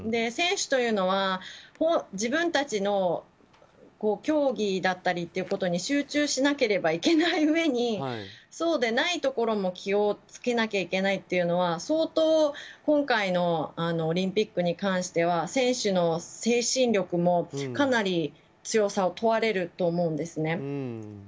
選手というのは自分たちの競技だったりということに集中しなければいけないうえにそうでないところも気をつけなきゃいけないっていうのは相当、今回のオリンピックに関しては選手の精神力も、かなり強さを問われると思うんですね。